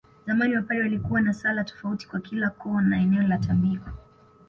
Zamani Wapare walikuwa na sala tofauti kwa kila koo na eneo lao la tambiko